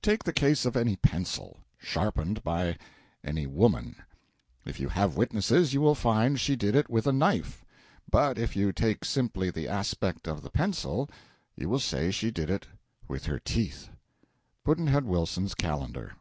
Take the case of any pencil, sharpened by any woman: if you have witnesses, you will find she did it with a knife; but if you take simply the aspect of the pencil, you will say she did it with her teeth. Pudd'nhead Wilson's Calendar.